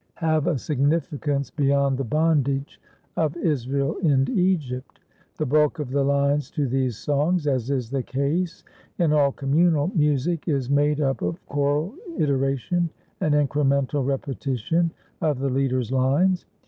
have a significance beyond the bondage of Israel in Egypt. The bulk of the lines to these songs, as is the case in all communal music, is made up of choral iteration and incremental repetition of the leader's lines.